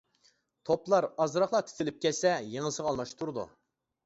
توپلار ئازراقلا تىتىلىپ كەتسە يېڭىسىغا ئالماشتۇرىدۇ.